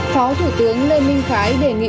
phó thủ tướng lê minh khái đề nghị